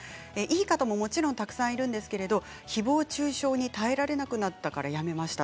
いい方もたくさんいますがひぼう中傷に耐えられなくなったからやめました。